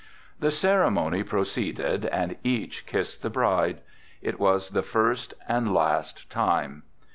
The ceremony proceeded and each kissed the bride. It was the first and last time.